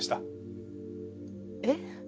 えっ？